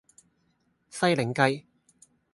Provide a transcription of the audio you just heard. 西檸雞